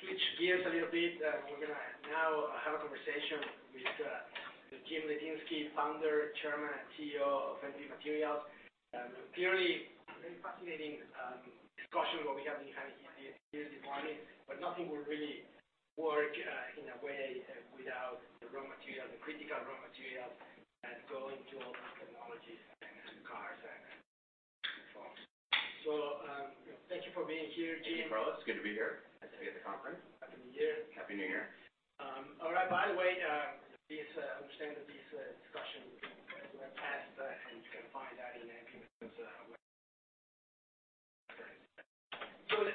All right. Well, we're gonna switch gears a little bit, and we're gonna now have a conversation with James Litinsky, founder, chairman, and CEO of MP Materials. Clearly a very fascinating discussion what we have been having here this morning, but nothing will really work in a way without the raw material, the critical raw materials, going to all the technologies and cars and phones. Thank you for being here, Jim. Thanks, Carlos. Good to be here. Nice to be at the conference. Happy New Year. Happy New Year. All right. By the way, this I understand that this discussion will be webcast, and you can find that in MP Materials' website.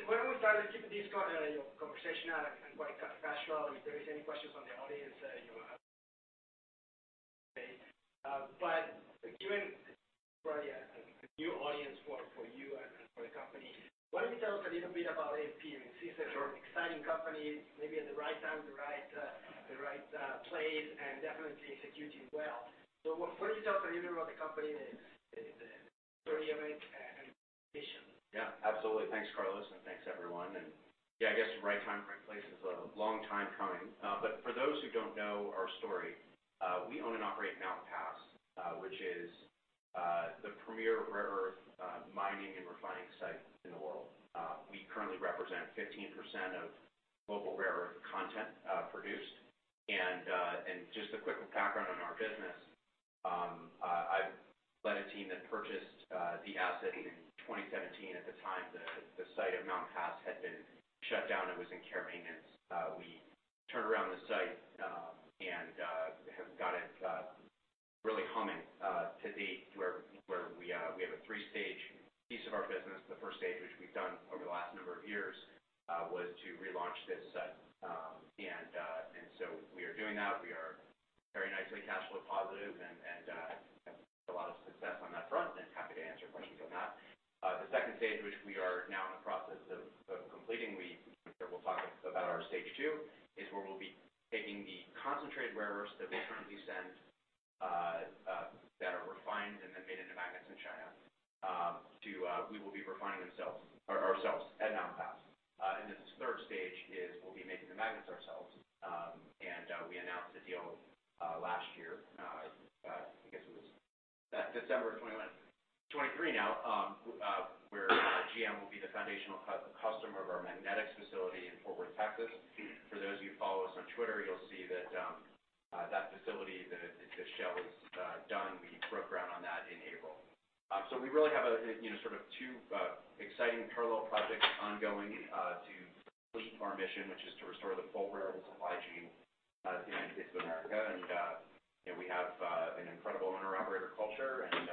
Why don't we start to keep this you know, conversational and quite kind of casual. If there is any questions from the audience, you know, given probably a new audience for you and for the company, why don't you tell us a little bit about MP? Sure. Since it's an exciting company, maybe at the right time, the right, the right place, and definitely executing well. Why don't you tell us a little bit about the company and the story of it and the mission? Yeah, absolutely. Thanks, Carlos, and thanks, everyone. I guess right time, right place is a long time coming. But for those who don't know our story, we own and operate Mountain Pass, which is the premier rare earth mining and refining site in the world. We currently represent 15% of global rare earth content produced. Just a quick background on our business, I led a team that purchased the asset in 2017. At the time, the site of Mountain Pass had been shut down and was in care maintenance. We turned around the site and have got it really humming to date to where we have a three-stage piece of our business. The first stage, which we've done over the last number of years, was to relaunch this. We are doing that. We are very nicely cash flow positive and have a lot of success on that front, and happy to answer questions on that. The second stage, which we are now in the process of completing, we'll talk about our Stage II, is where we'll be taking the concentrated rare earths that we currently send that are refined and then made into magnets in China, to we will be refining ourselves at Mountain Pass. This third stage is we'll be making the magnets ourselves. We announced the deal last year. December of 2021. 2023 now, where GM will be the foundational customer of our magnetics facility in Fort Worth, Texas. For those of you who follow us on Twitter, you'll see that that facility, the shell is done. We broke ground on that in April. We really have a, you know, sort of two exciting parallel projects ongoing to complete our mission, which is to restore the full rare earth supply chain to the United States of America. You know, we have an incredible owner-operator culture and,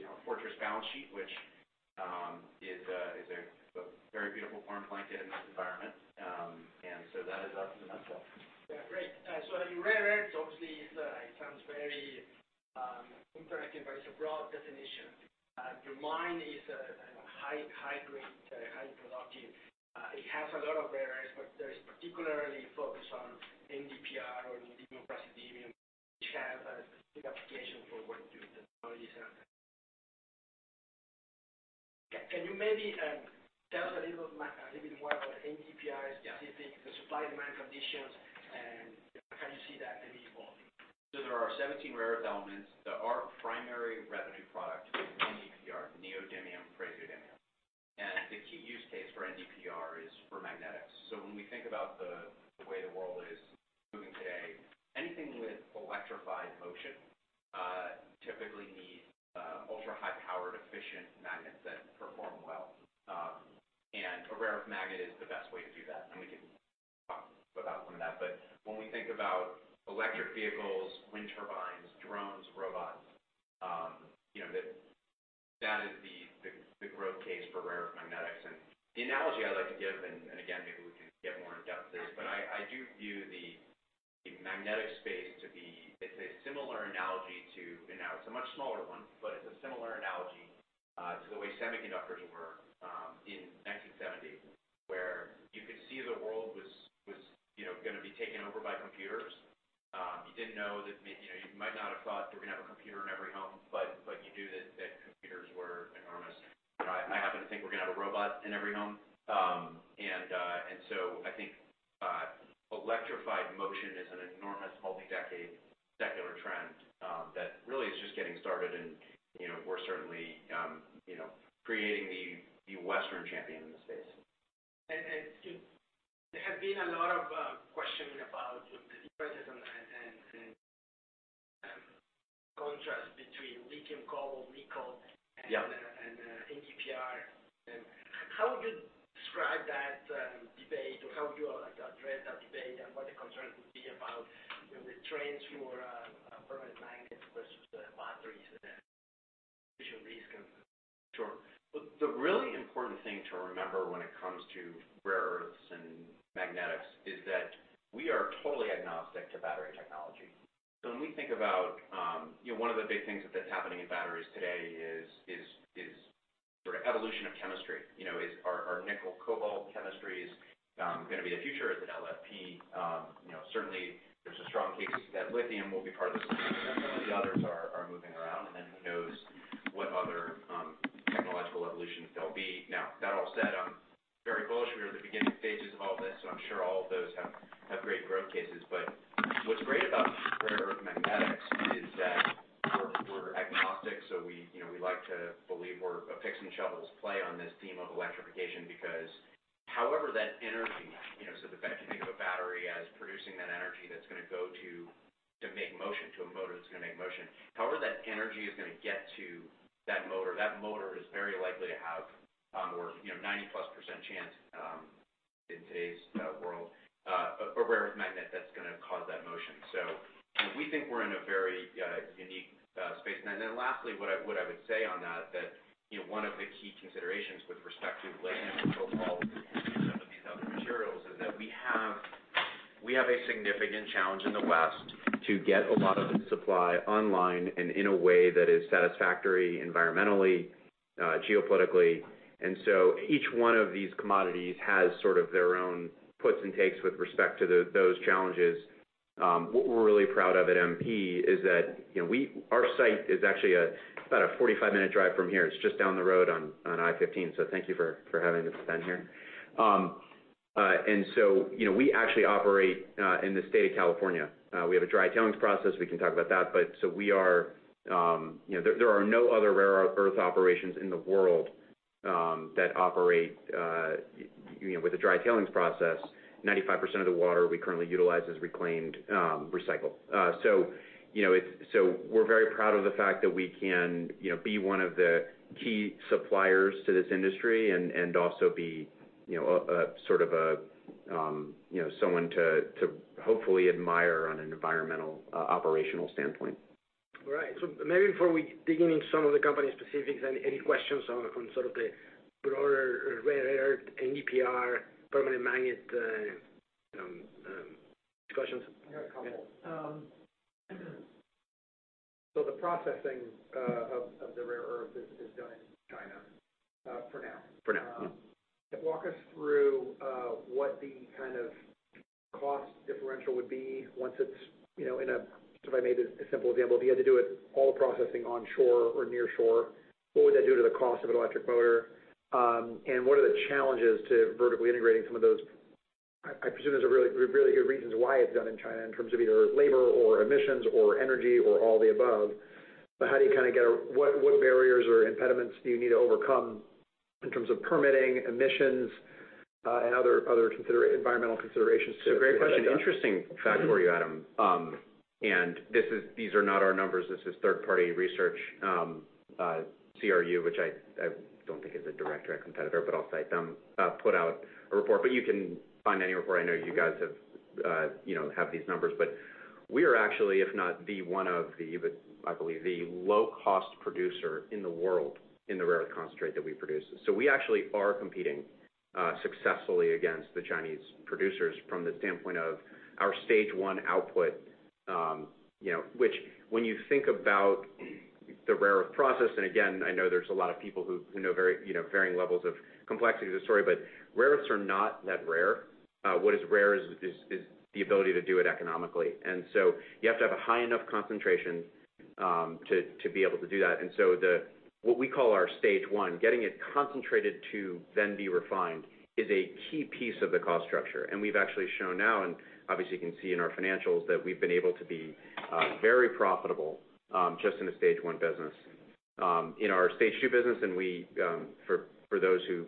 you know, a fortress balance sheet, which is a very beautiful form of blanket in this environment. That is us in a nutshell. Yeah, great. The rare earths obviously is, it sounds very interactive, but it's a broad definition. Your mine is a high grade, high productive. It has a lot of rare earths, but there is particularly focused on NdPr or neodymium praseodymium, which have a big application for what you do in technologies and. Can you maybe tell us a little bit more about NdPrs? Yeah. specific, the supply and demand conditions, and how you see that maybe evolving? There are 17 rare earth elements. Our primary revenue product is NdPr, neodymium praseodymium. The key use case for NdPr is for magnetics. When we think about the way the world is moving today, anything with electrified motion typically needs ultra-high powered, efficient magnets that perform well. A rare earth magnet is the best way to do that, and we can talk about some of that. When we think about electric vehicles, wind turbines, drones, robots, you know, that is the growth case for rare earth magnetics. The analogy I like to give, and again, maybe we can get more in depth there. Sure. I do view the magnetic space to be. It's a similar analogy to, and now it's a much smaller one, but it's a similar analogy to the way semiconductors were in 1970, where you could see the world was, you know, gonna be taken over by computers. about, you know, one of the big things that's happening in batteries today is sort of evolution of chemistry. You know, are nickel cobalt chemistries gonna be the future? Is it LFP? You know, certainly there's a strong case that lithium will be part of the solution, and some You know, we actually operate in the state of California. We have a dry tailings process. We can talk about that. We are. There are no other rare earth operations in the world that operate with a dry tailings process. 95% of the water we currently utilize is reclaimed, recycled. We're very proud of the fact that we can be one of the key suppliers to this industry and also be a sort of a someone to hopefully admire on an environmental operational standpoint. All right. Maybe before we dig into some of the company specifics, any questions on, from sort of the broader rare earth, NdPr permanent magnet, discussions? I got a couple. The processing of the rare earth is done in China for now. For now, yeah. Walk us through what the kind of cost differential would be once it's, you know, in a. If I made the simple example, if you had to do it all processing on shore or near shore, what would that do to the cost of an electric motor? What are the challenges to vertically integrating some of those? I presume there's a really good reasons why it's done in China in terms of either labor or emissions or energy or all the above. How do you kind of get a. What barriers or impediments do you need to overcome in terms of permitting emissions and other environmental considerations to create that. It's a great question. Interesting fact for you, Adam. These are not our numbers, this is third party research. CRU, which I don't think is a direct competitor, but I'll cite them, put out a report. You can find any report. I know you guys have, you know, have these numbers. We are actually, if not the one of the, but I believe the low cost producer in the world in the rare concentrate that we produce. We actually are competing successfully against the Chinese producers from the standpoint of our Stage I output. You know, which when you think about the rare earth process, and again, I know there's a lot of people who know very, you know, varying levels of complexity of the story, but rare earths are not that rare. What is rare is the ability to do it economically. You have to have a high enough concentration to be able to do that. What we call our Stage I, getting it concentrated to then be refined is a key piece of the cost structure. We've actually shown now, and obviously you can see in our financials, that we've been able to be very profitable just in the Stage I business. In our Stage II business, and we, for those who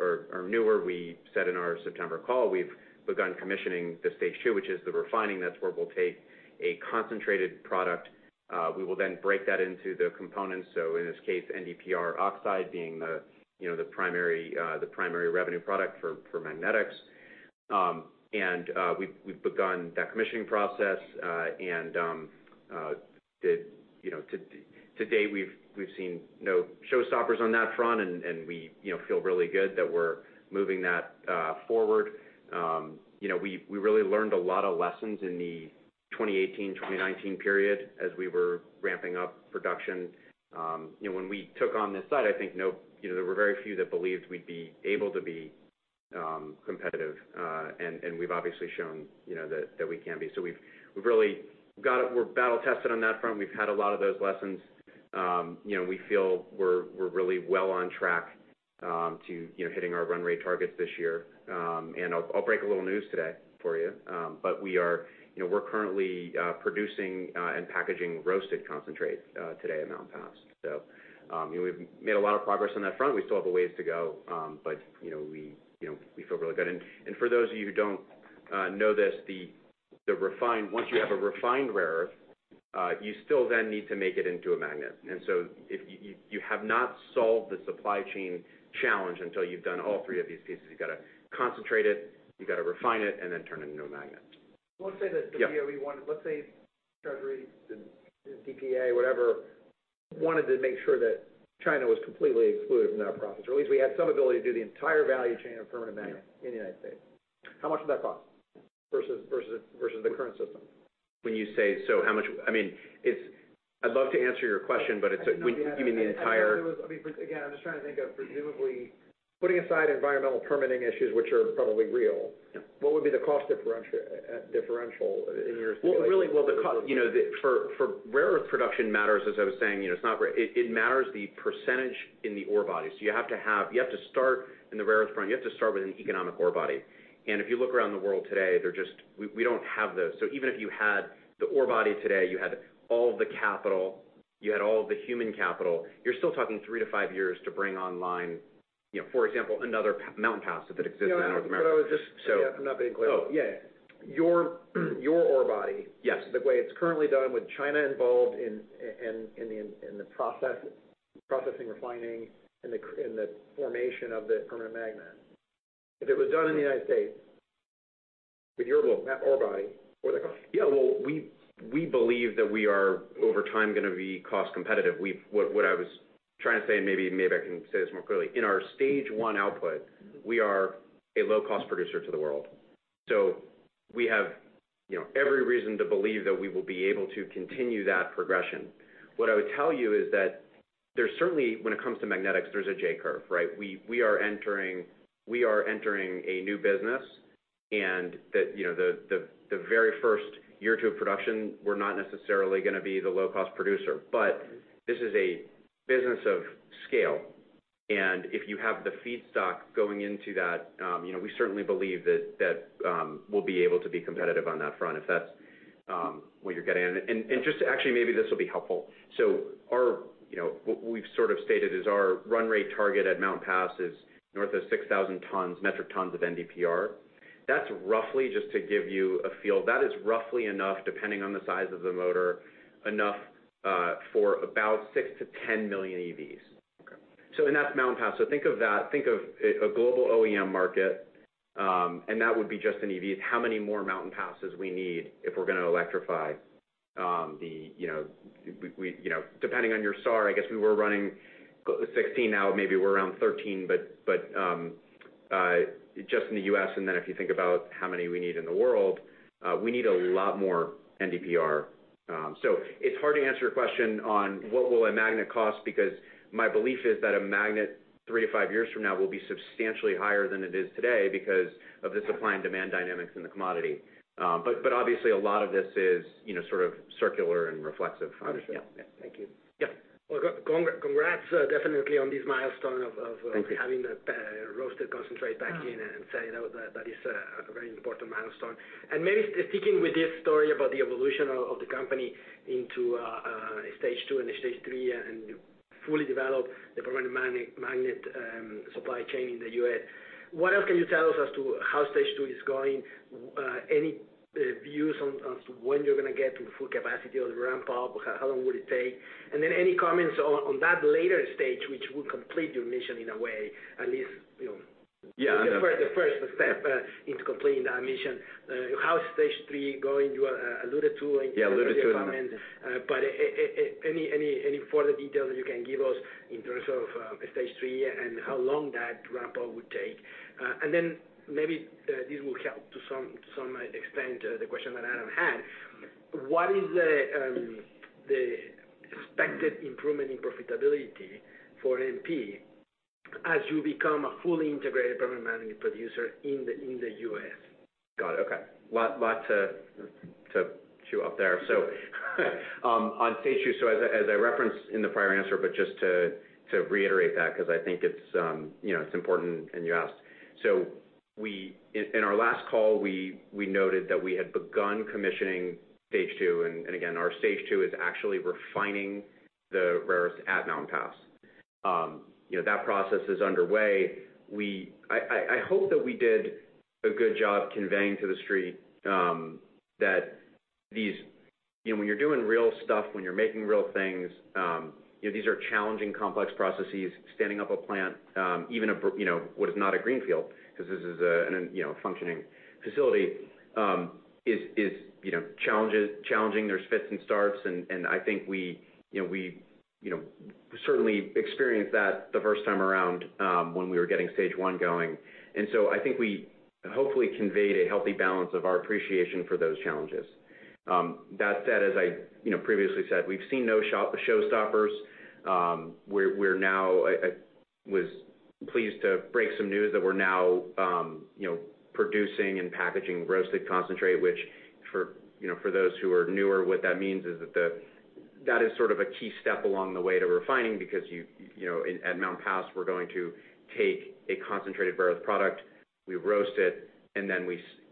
are newer, we said in our September call, we've begun commissioning the Stage II, which is the refining. That's where we'll take a concentrated product. We will then break that into the components. In this case, NdPr oxide being the, you know, the primary, the primary revenue product for magnetics. We've begun that commissioning process, and, you know, to date, we've seen no showstoppers on that front and we, you know, feel really good that we're moving that forward. You know, we really learned a lot of lessons in the 2018, 2019 period as we were ramping up production. You know, when we took on this site, I think you know, there were very few that believed we'd be able to be competitive. We've obviously shown, you know, that we can be. We've really got it. We're battle tested on that front. We've had a lot of those lessons. You know, we feel we're really well on track to, you know, hitting our run rate targets this year. I'll break a little news today for you. You know, we're currently producing and packaging roasted concentrate today in Mountain Pass. You know, we've made a lot of progress on that front. We still have a ways to go, but, you know, we, you know, we feel really good. For those of you who don't know this, Once you have a refined rare earth, you still then need to make it into a magnet. If you have not solved the supply chain challenge until you've done all three of these pieces. You've got to concentrate it, you've got to refine it, and then turn it into a magnet. Well, let's say that the DOE. Yeah. Let's say Treasury, the DPA, whatever, wanted to make sure that China was completely excluded from that process, or at least we had some ability to do the entire value chain of permanent magnet in the United States. How much would that cost versus the current system? When you say how much... I mean, I'd love to answer your question, but it's... I know. You mean the entire- I mean, again, I'm just trying to think of Putting aside environmental permitting issues, which are probably real... Yeah. What would be the cost differential in your estimation? Well, really, well, you know, rare earth production matters, as I was saying, you know, it matters the percentage in the ore bodies. You have to start in the rare earth front. You have to start with an economic ore body. If you look around the world today, we don't have those. Even if you had the ore body today, you had all the capital, you had all of the human capital, you're still talking 3-5 years to bring online, you know, for example, another Mountain Pass that exists in North America. No, I know. So- Yeah, if I'm not being clear. Oh. Yeah, yeah. Your ore body. Yes. The way it's currently done with China involved in the processing, refining, and the formation of the permanent magnet, if it was done in the United States with your Mountain Pass ore body, what are the costs? Yeah. Well, we believe that we are over time gonna be cost competitive. What I was trying to say, and maybe I can say this more clearly. In our Stage I output, we are a low-cost producer to the world. We have, you know, every reason to believe that we will be able to continue that progression. What I would tell you is that there's certainly, when it comes to magnetics, there's a J curve, right? We are entering a new business, and you know, the very first year or two of production, we're not necessarily gonna be the low-cost producer. This is a business of scale, and if you have the feedstock going into that, you know, we certainly believe that we'll be able to be competitive on that front, if that's what you're getting at. Just to actually, maybe this will be helpful. Our, you know, what we've sort of stated is our run rate target at Mountain Pass is north of 6,000 tons, metric tons of NdPr. That's roughly, just to give you a feel, that is roughly enough, depending on the size of the motor, enough for about 6 million-10 million EVs. Okay. And that's Mountain Pass. Think of that, think of a global OEM market, and that would be just in EVs, how many more Mountain Passes we need if we're gonna electrify, the, you know, depending on your SAR, I guess we were running 16 now, maybe we're around 13. Just in the U.S., if you think about how many we need in the world, we need a lot more NdPr. It's hard to answer your question on what will a magnet cost, because my belief is that a magnet 3-5 years from now will be substantially higher than it is today because of the supply and demand dynamics in the commodity. Obviously a lot of this is, you know, sort of circular and reflexive. Understood. Yeah, yeah. Thank you. Yeah. Well, congrats, definitely on this milestone of. Thank you. having the roasted concentrate back in and saying that is a very important milestone. Maybe sticking with this story about the evolution of the company into Stage II and Stage III and fully developed, the permanent magnet supply chain in the US, what else can you tell us as to how Stage II is going? Any views on as to when you're gonna get to the full capacity or the ramp up? How long will it take? Then any comments on that later stage, which will complete your mission in a way, at least, you know? Yeah. The first step into completing that mission. How's Stage III going? You alluded to. Yeah, alluded to in the- -in the comments. Any further details you can give us in terms of Stage III and how long that ramp up would take? Maybe this will help to some extent the question that Adam had. What is the expected improvement in profitability for MP as you become a fully integrated permanent magnet producer in the U.S.? Got it. Okay. Lots to chew up there. On Stage II, as I referenced in the prior answer, but just to reiterate that because I think it's, you know, it's important and you asked. In our last call, we noted that we had begun commissioning Stage II. Again, our Stage II is actually refining the rare earth at Mountain Pass. You know, that process is underway. I hope that we did a good job conveying to The Street. You know, when you're doing real stuff, when you're making real things, you know, these are challenging, complex processes. Standing up a plant, you know, what is not a greenfield, 'cause this is a, you know, a functioning facility, is, you know, challenging. There's fits and starts and I think we, you know, we, you know, certainly experienced that the first time around, when we were getting Stage I going. So I think we hopefully conveyed a healthy balance of our appreciation for those challenges. That said, as I, you know, previously said, we've seen no show stoppers. I was pleased to break some news that we're now, you know, producing and packaging roasted concentrate, which for, you know, for those who are newer, what that means is that is sort of a key step along the way to refining because you know, at Mountain Pass, we're going to take a concentrated barrel of product, we roast it, and then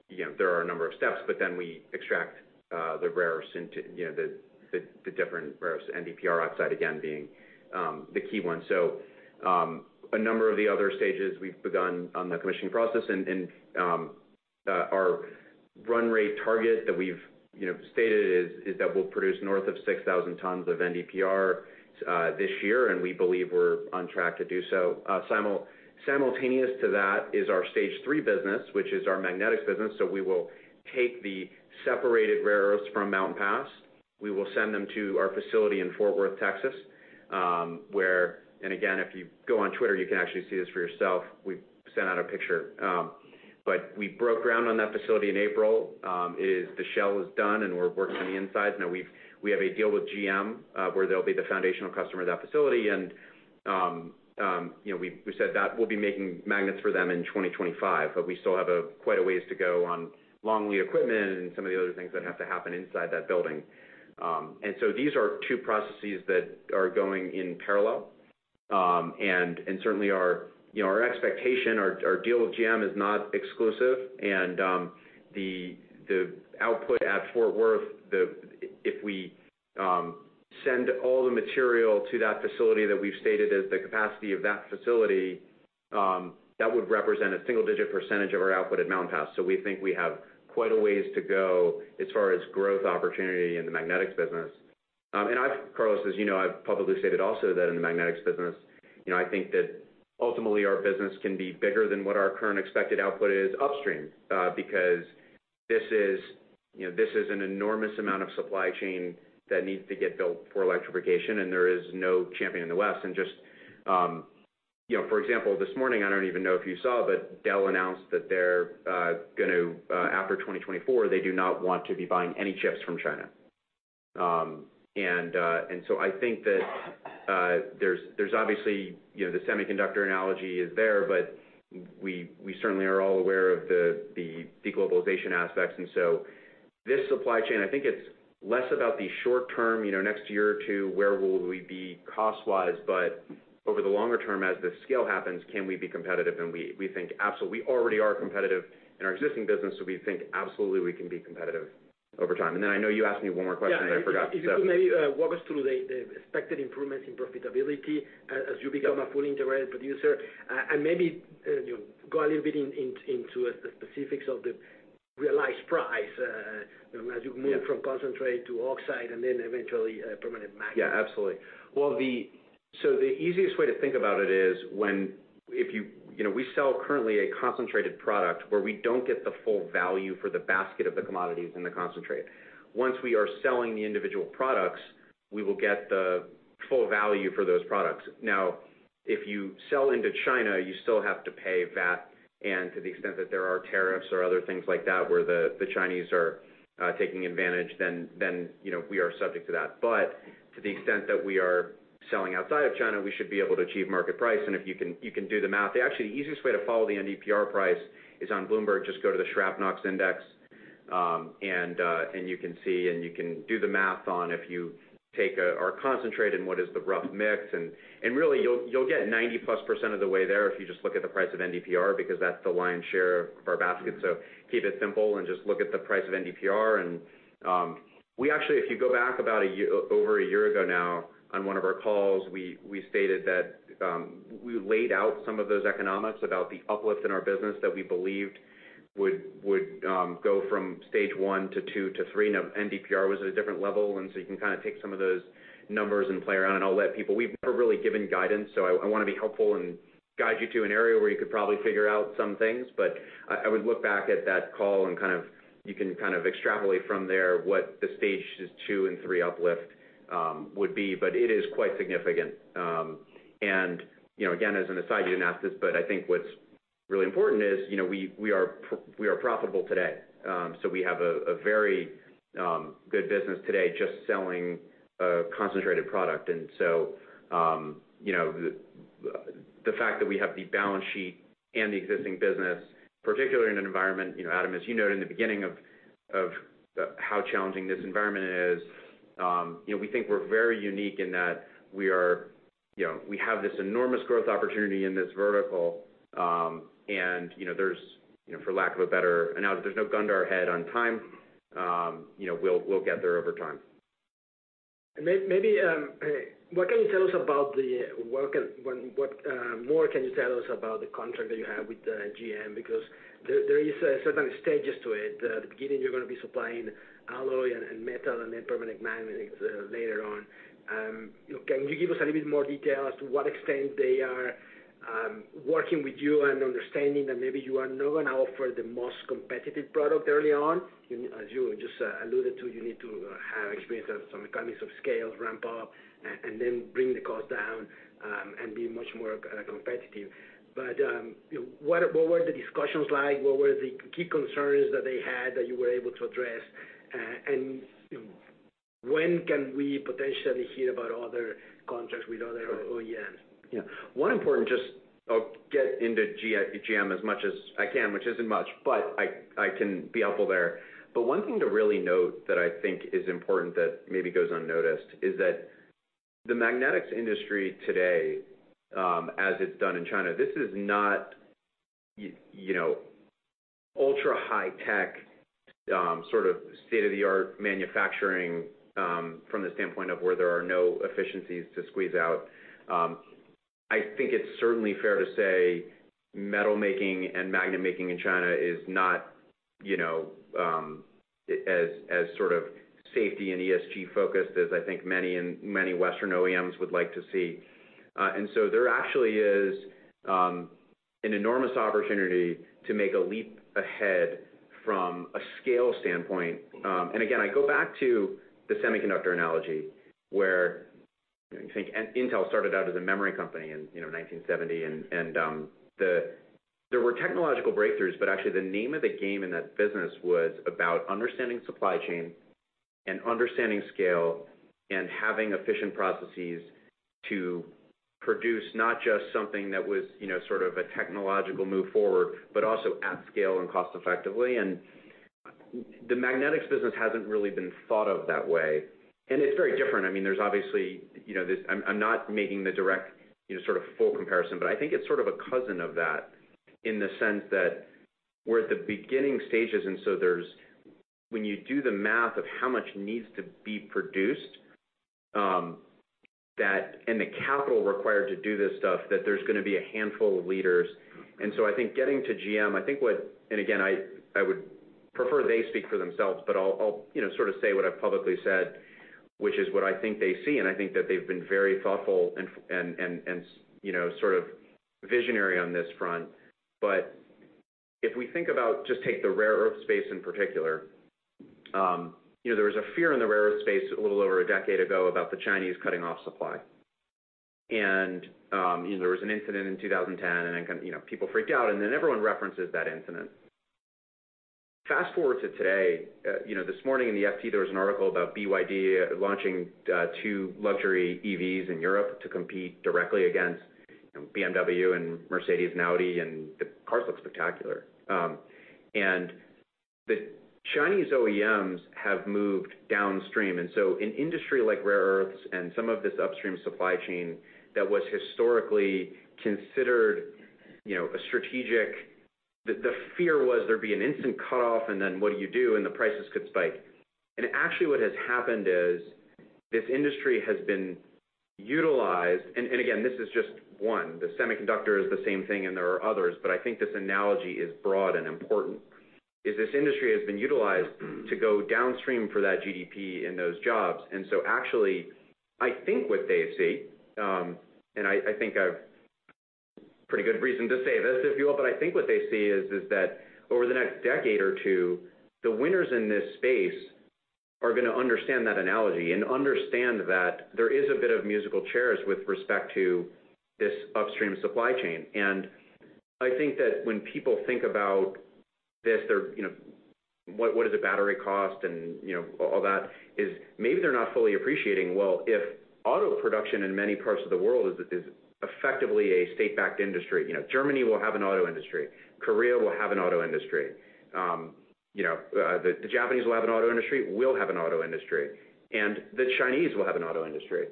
you know, there are a number of steps, but then we extract the rare earth into, you know, the different rare earth NdPr oxide again being the key one. A number of the other stages we've begun on the commissioning process, and our run rate target that we've, you know, stated is that we'll produce north of 6,000 tons of NdPr this year, and we believe we're on track to do so. Simultaneous to that is our Stage III business, which is our magnetics business. We will take the separated rare earths from Mountain Pass. We will send them to our facility in Fort Worth, Texas. Again, if you go on Twitter, you can actually see this for yourself. We've sent out a picture. We broke ground on that facility in April. The shell is done, and we're working on the insides. Now we have a deal with GM, where they'll be the foundational customer of that facility. You know, we said that we'll be making magnets for them in 2025, but we still have quite a ways to go on long lead equipment and some of the other things that have to happen inside that building. These are two processes that are going in parallel. Certainly our, you know, our expectation, our deal with GM is not exclusive. The output at Fort Worth, if we send all the material to that facility that we've stated as the capacity of that facility, that would represent a single-digit percentage of our output at Mountain Pass. We think we have quite a ways to go as far as growth opportunity in the magnetics business. I've, Carlos, as you know, I've publicly stated also that in the magnetics business, you know, I think that ultimately our business can be bigger than what our current expected output is upstream, because this is, you know, this is an enormous amount of supply chain that needs to get built for electrification, and there is no champion in the West. Just, you know, for example, this morning, I don't even know if you saw, but Dell announced that they're gonna after 2024, they do not want to be buying any chips from China. I think that there's obviously, you know, the semiconductor analogy is there, but we certainly are all aware of the deglobalization aspects. This supply chain, I think it's less about the short term, you know, next year or two, where will we be cost-wise? Over the longer term, as the scale happens, can we be competitive? We think absolutely. We already are competitive in our existing business, so we think absolutely we can be competitive over time. I know you asked me one more question, and I forgot. Yeah. If you could maybe walk us through the expected improvements in profitability as you become a fully integrated producer, and maybe, you know, go a little bit into the specifics of the realized price, you know, as you move... Yeah. From concentrate to oxide and then eventually permanent magnet. Yeah, absolutely. Well, you know, we sell currently a concentrated product where we don't get the full value for the basket of the commodities in the concentrate. Once we are selling the individual products, we will get the full value for those products. Now, if you sell into China, you still have to pay VAT. To the extent that there are tariffs or other things like that where the Chinese are taking advantage, then, you know, we are subject to that. To the extent that we are selling outside of China, we should be able to achieve market price. If you can, you can do the math. Actually, the easiest way to follow the NdPr price is on Bloomberg. Just go to the Schrapnok's Index, and you can see, and you can do the math on if you take our concentrate and what is the rough mix. really, you'll get 90-plus % of the way there if you just look at the price of NdPr because that's the lion's share of our basket. Keep it simple and just look at the price of NdPr. We actually, if you go back about a year over a year ago now on one of our calls, we stated that we laid out some of those economics about the uplift in our business that we believed would go from Stage I to II to III. NdPr was at a different level. You can kind of take some of those numbers and play around, and I'll let people... We've never really given guidance, so I wanna be helpful and guide you to an area where you could probably figure out some things. I would look back at that call and kind of, you can kind of extrapolate from there what the Stage II and Stage III uplift would be, but it is quite significant. You know, again, as an aside, you didn't ask this, but I think what's really important is, you know, we are profitable today. We have a very good business today just selling a concentrated product. You know, the fact that we have the balance sheet and the existing business, particularly in an environment, you know, Adam, as you noted in the beginning of how challenging this environment is, you know, we think we're very unique in that we are, you know, we have this enormous growth opportunity in this vertical. You know, there's, you know, for lack of a better analogy, there's no gun to our head on time. You know, we'll get there over time. Maybe, what can you tell us about the work and What more can you tell us about the contract that you have with GM? There is certain stages to it. At the beginning, you're gonna be supplying alloy and metal and then permanent magnets later on. Can you give us a little bit more detail as to what extent they are working with you and understanding that maybe you are not gonna offer the most competitive product early on? You know, as you just alluded to, you need to have experience of some economies of scale to ramp up and then bring the cost down and be much more competitive. You know, what were the discussions like? What were the key concerns that they had that you were able to address? You know, when can we potentially hear about other contracts with other OEMs? Yeah. One important I'll get into GM as much as I can, which isn't much, but I can be helpful there. One thing to really note that I think is important that maybe goes unnoticed is that the magnetics industry today, as it's done in China, this is not you know, ultra high tech, sort of state-of-the-art manufacturing, from the standpoint of where there are no efficiencies to squeeze out. I think it's certainly fair to say metal making and magnet making in China is not, you know, as sort of safety and ESG focused as I think many Western OEMs would like to see. There actually is an enormous opportunity to make a leap ahead from a scale standpoint. Again, I go back to the semiconductor analogy where you think Intel started out as a memory company in 1970. There were technological breakthroughs, but actually the name of the game in that business was about understanding supply chain and understanding scale and having efficient processes to produce not just something that was sort of a technological move forward, but also at scale and cost effectively. The magnetics business hasn't really been thought of that way. It's very different. I mean, there's obviously, I'm not making the direct sort of full comparison, but I think it's sort of a cousin of that in the sense that we're at the beginning stages. There's-- when you do the math of how much needs to be produced, that-- and the capital required to do this stuff, that there's gonna be a handful of leaders. I think getting to GM, I think what-- and again, I would prefer they speak for themselves, but I'll, you know, sort of say what I've publicly said, which is what I think they see. I think that they've been very thoughtful and, you know, sort of visionary on this front. If we think about just take the rare earth space in particular, you know, there was a fear in the rare earth space a little over a decade ago about the Chinese cutting off supply. You know, there was an incident in 2010, then you know, people freaked out, then everyone references that incident. Fast-forward to today, you know, this morning in the FT, there was an article about BYD launching, two luxury EVs in Europe to compete directly against BMW and Mercedes and Audi, and the cars look spectacular. The Chinese OEMs have moved downstream. So in industry like rare earths and some of this upstream supply chain that was historically considered, you know, a strategic... The, the fear was there'd be an instant cutoff, then what do you do, and the prices could spike. Actually what has happened is this industry has been utilized. Again, this is just one. The semiconductor is the same thing, and there are others, but I think this analogy is broad and important, is this industry has been utilized to go downstream for that GDP and those jobs. Actually, I think what they see, and I think I've pretty good reason to say this, if you will. I think what they see is that over the next decade or two, the winners in this space are gonna understand that analogy and understand that there is a bit of musical chairs with respect to this upstream supply chain. I think that when people think about this, they're, you know, what does a battery cost and, you know, all that, is maybe they're not fully appreciating, well, if auto production in many parts of the world is effectively a state-backed industry, you know, Germany will have an auto industry, Korea will have an auto industry, you know, the Japanese will have an auto industry, we'll have an auto industry, and the Chinese will have an auto industry.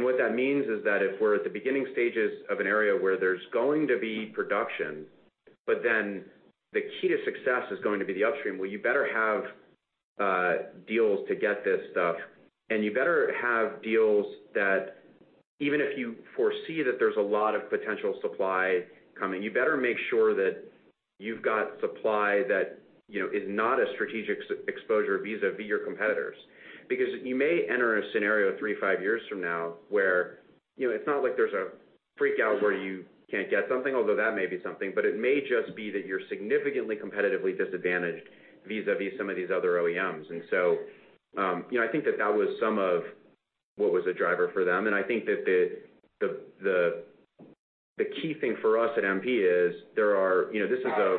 What that means is that if we're at the beginning stages of an area where there's going to be production, but then the key to success is going to be the upstream, well, you better have deals to get this stuff, and you better have deals that even if you foresee that there's a lot of potential supply coming, you better make sure that you've got supply that, you know, is not a strategic exposure vis-a-vis your competitors. You may enter a scenario, three, five years from now where, you know, it's not like there's a freak out where you can't get something, although that may be something, but it may just be that you're significantly competitively disadvantaged vis-a-vis some of these other OEMs. You know, I think that was some of what was a driver for them. I think that the key thing for us at MP is there are, you know, this is a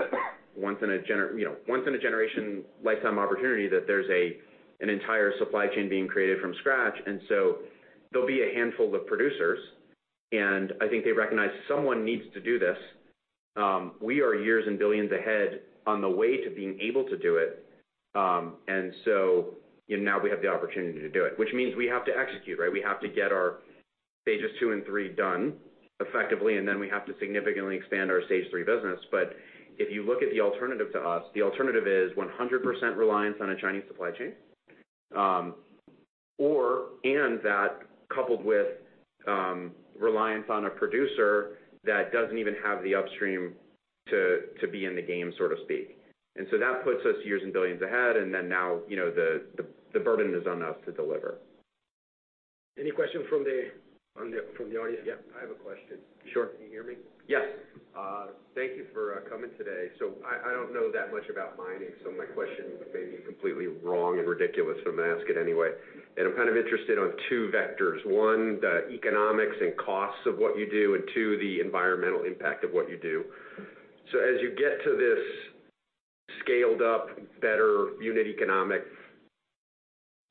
once in a generation lifetime opportunity that there's an entire supply chain being created from scratch. There'll be a handful of producers, and I think they recognize someone needs to do this. We are years and billions ahead on the way to being able to do it. You know, now we have the opportunity to do it, which means we have to execute, right? We have to get our Stage II and III done effectively, and then we have to significantly expand our Stage III business. If you look at the alternative to us, the alternative is 100% reliance on a Chinese supply chain, and that coupled with reliance on a producer that doesn't even have the upstream to be in the game, so to speak. That puts us years and billions ahead, now, you know, the, the burden is on us to deliver. Any questions from the audience? Yeah, I have a question. Sure. Can you hear me? Yes. Thank you for coming today. I don't know that much about mining, so my question may be completely wrong and ridiculous, but I'm gonna ask it anyway. I'm kind of interested on two vectors: one, the economics and costs of what you do, and two, the environmental impact of what you do. As you get to this scaled up, better unit economic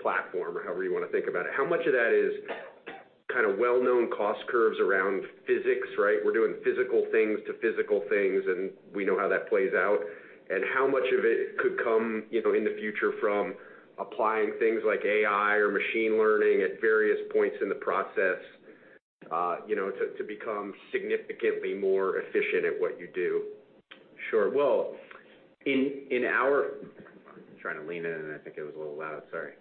platform or however you wanna think about it, how much of that is kind of well-known cost curves around physics, right? We're doing physical things to physical things, and we know how that plays out. How much of it could come, you know, in the future from applying things like AI or machine learning at various points in the process, you know, to become significantly more efficient at what you do? Sure. Well, in our I'm trying to lean in, and I think it was a little loud. Sorry.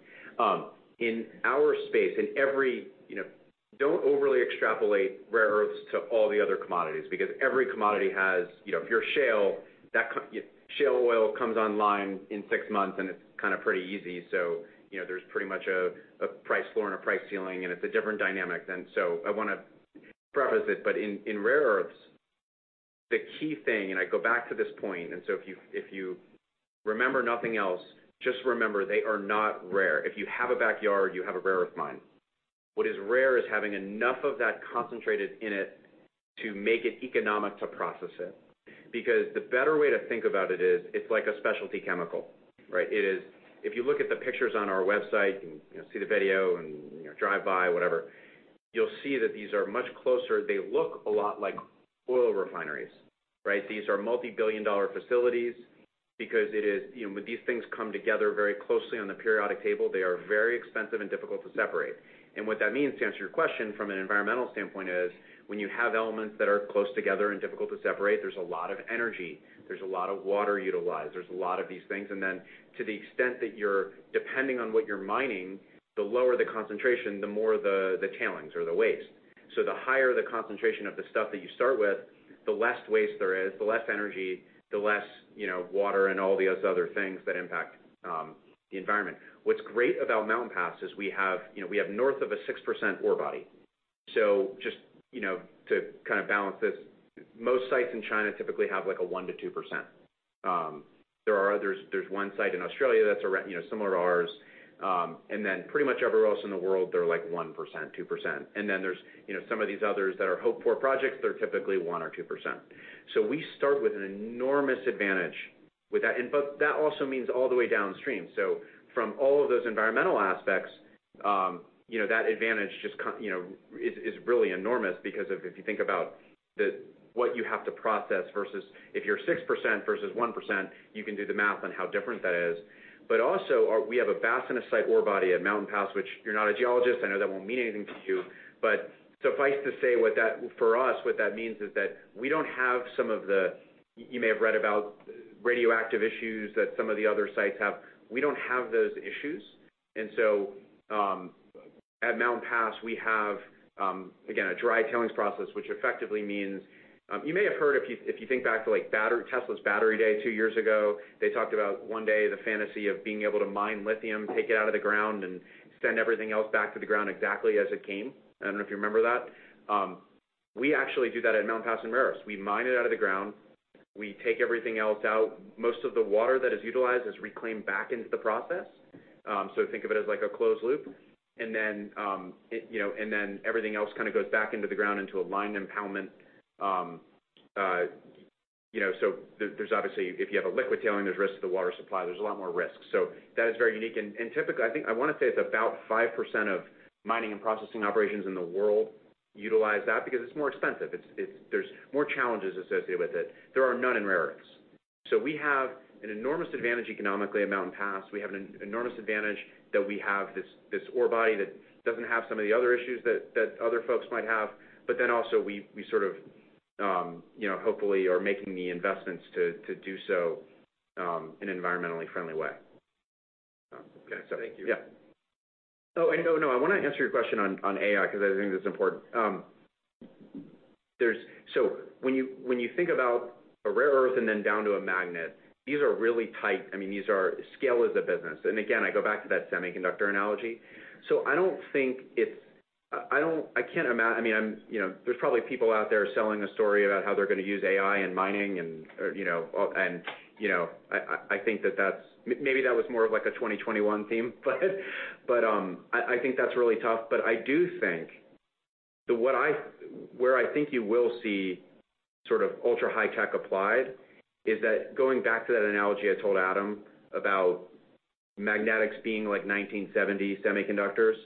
In our space, in every, you know, don't overly extrapolate rare earths to all the other commodities because every commodity has, you know, if you're shale, that shale oil comes online in six months, and it's kinda pretty easy. You know, there's pretty much a price floor and a price ceiling, and it's a different dynamic than. I wanna preface it, but in rare earths. The key thing, and I go back to this point, if you remember nothing else, just remember they are not rare. If you have a backyard, you have a rare earth mine. What is rare is having enough of that concentrated in it to make it economic to process it. The better way to think about it is, it's like a specialty chemical, right? If you look at the pictures on our website, you can, you know, see the video and, you know, drive by, whatever. You'll see that these are much closer. They look a lot like oil refineries, right? These are multi-billion dollar facilities because it is, you know, when these things come together very closely on the periodic table, they are very expensive and difficult to separate. What that means, to answer your question from an environmental standpoint, is when you have elements that are close together and difficult to separate, there's a lot of energy, there's a lot of water utilized, there's a lot of these things. To the extent that you're depending on what you're mining, the lower the concentration, the more the tailings or the waste. The higher the concentration of the stuff that you start with, the less waste there is, the less energy, the less, you know, water and all these other things that impact the environment. What's great about Mountain Pass is we have, you know, we have north of a 6% ore body. Just, you know, to kind of balance this, most sites in China typically have, like, a 1%-2%. There are others. There's one site in Australia that's around, you know, similar to ours. And then pretty much everywhere else in the world, they're like 1%, 2%. Then there's, you know, some of these others that are hope poor projects, they're typically 1% or 2%. We start with an enormous advantage with that. That also means all the way downstream. From all of those environmental aspects, you know, that advantage is really enormous because if you think about what you have to process versus if you're 6% versus 1%, you can do the math on how different that is. Also, we have a Bastnaesite ore body at Mountain Pass, which you're not a geologist, I know that won't mean anything to you, but suffice to say, what that means for us is that we don't have some of the radioactive issues that some of the other sites have. We don't have those issues. At Mountain Pass, we have again, a dry tailings process, which effectively means. You may have heard Tesla's battery day two years ago, they talked about one day the fantasy of being able to mine lithium, take it out of the ground, and send everything else back to the ground exactly as it came. I don't know if you remember that. We actually do that at Mountain Pass and Merax. We mine it out of the ground, we take everything else out. Most of the water that is utilized is reclaimed back into the process. Think of it as like a closed loop. You know, everything else kind of goes back into the ground into a lined impoundment. You know, there's obviously, if you have a liquid tailing, there's risk to the water supply. There's a lot more risk. That is very unique. Typically, I wanna say it's about 5% of mining and processing operations in the world utilize that because it's more expensive. It's there's more challenges associated with it. There are none in Merax. We have an enormous advantage economically at Mountain Pass. We have an enormous advantage that we have this ore body that doesn't have some of the other issues that other folks might have. Also we sort of, you know, hopefully are making the investments to do so, in an environmentally friendly way. Okay. Thank you. Yeah. Oh, no, I wanna answer your question on AI because I think that's important. When you think about a rare earth and then down to a magnet, these are really tight. I mean, these are scale as a business. Again, I go back to that semiconductor analogy. I don't think it's I don't I can't I mean, I'm, you know, there's probably people out there selling a story about how they're gonna use AI in mining and, or, you know, and, you know... I think that that's maybe that was more of like a 2021 theme, I think that's really tough. I do think what I where I think you will see sort of ultra-high tech applied is that going back to that analogy I told Adam about magnetics being like 1970 semiconductors.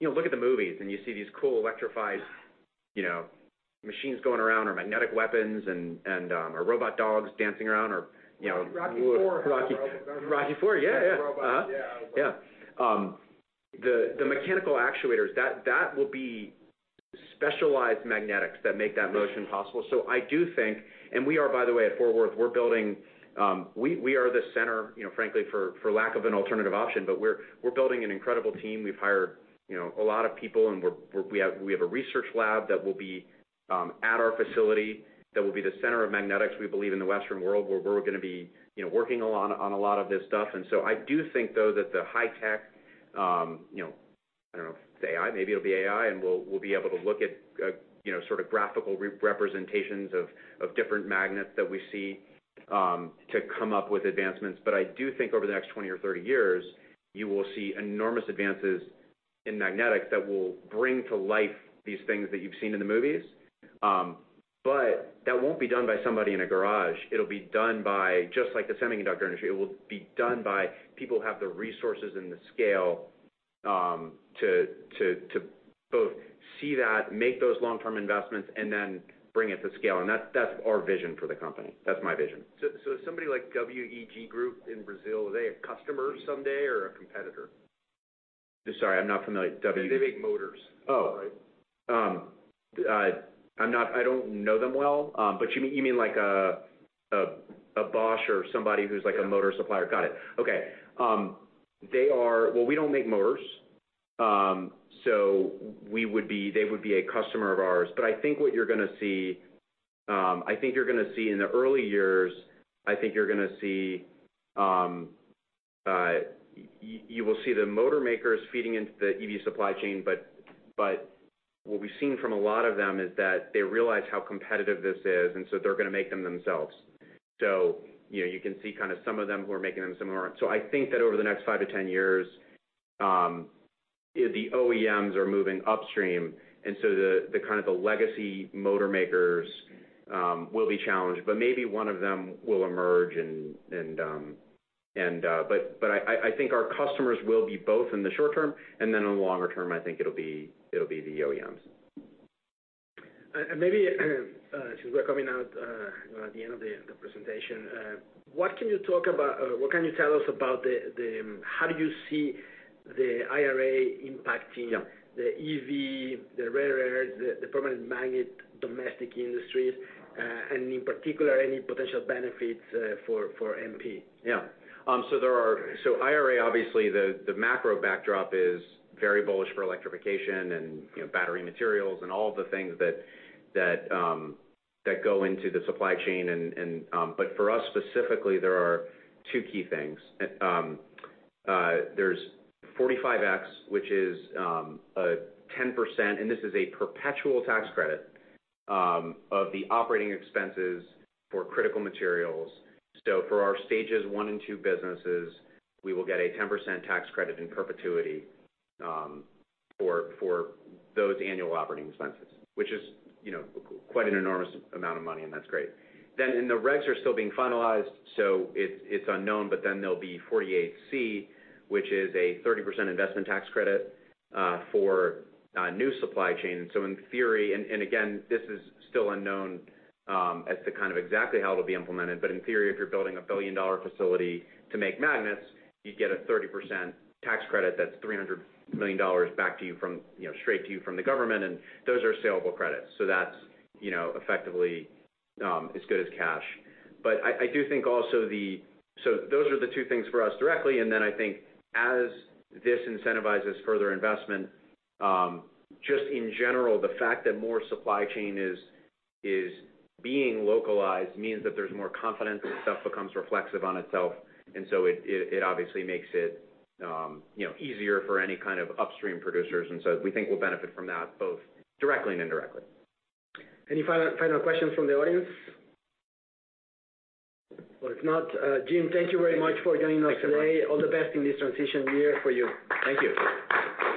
you know, look at the movies and you see these cool electrified, you know, machines going around, or magnetic weapons, and, or robot dogs dancing around or, you know... Rocky IV had the robot. Rocky IV. Yeah. Had the robot. Yeah. Yeah. The mechanical actuators, that will be specialized magnetics that make that motion possible. I do think, and we are, by the way, at Fort Worth, we're building, we are the center, you know, frankly, for lack of an alternative option, but we're building an incredible team. We've hired, you know, a lot of people, and we have a research lab that will be at our facility that will be the center of magnetics, we believe, in the Western world, where we're gonna be, you know, working on a lot of this stuff. I do think though that the high tech, you know, I don't know if it's AI, maybe it'll be AI, and we'll be able to look at, you know, sort of graphical re-representations of different magnets that we see to come up with advancements. I do think over the next 20 or 30 years, you will see enormous advances in magnetics that will bring to life these things that you've seen in the movies. That won't be done by somebody in a garage. It'll be done by just like the semiconductor industry. It will be done by people who have the resources and the scale to both see that, make those long-term investments, and then bring it to scale. That's our vision for the company. That's my vision. Somebody like WEG Group in Brazil, are they a customer someday or a competitor? Sorry, I'm not familiar. They make motors. Oh. Right? I don't know them well. You mean like a Bosch or somebody who's like a motor supplier? Got it. Okay. Well, we don't make motors. They would be a customer of ours. I think what you're gonna see, I think you're gonna see in the early years, I think you're gonna see, you will see the motor makers feeding into the EV supply chain, what we've seen from a lot of them is that they realize how competitive this is, they're gonna make them themselves. You know, you can see kind of some of them who are making them, some who aren't. I think that over the next 5-10 years, the OEMs are moving upstream. The kind of the legacy motor makers will be challenged, but maybe one of them will emerge and. But I think our customers will be both in the short term, and then in the longer term, I think it'll be the OEMs. Maybe, since we're coming out, you know, at the end of the presentation, what can you tell us about the how do you see the IRA impacting? Yeah. The EV, the rare earth, the permanent magnet domestic industries, and in particular, any potential benefits, for MP? Yeah. IRA, obviously the macro backdrop is very bullish for electrification and, you know, battery materials and all of the things that go into the supply chain. For us specifically, there are two key things. There's 45X, which is a 10%, and this is a perpetual tax credit of the operating expenses for critical materials. For our Stage I and Stage II businesses, we will get a 10% tax credit in perpetuity for those annual operating expenses, which is, you know, quite an enormous amount of money, and that's great. The regs are still being finalized, so it's unknown, there'll be 48C, which is a 30% investment tax credit for new supply chain. In theory, and again, this is still unknown, as to kind of exactly how it'll be implemented, but in theory, if you're building a billion-dollar facility to make magnets, you'd get a 30% tax credit that's $300 million back to you from, you know, straight to you from the government, and those are saleable credits. That's, you know, effectively, as good as cash. I do think also those are the two things for us directly, and then I think as this incentivizes further investment, just in general, the fact that more supply chain is being localized means that there's more confidence and stuff becomes reflexive on itself. It obviously makes it, you know, easier for any kind of upstream producers. We think we'll benefit from that both directly and indirectly. Any final questions from the audience? Well, if not, Jim, thank you very much for joining us today. Thanks a lot. All the best in this transition year for you. Thank you.